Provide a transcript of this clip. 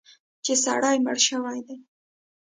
چې سړی مړ شوی دی.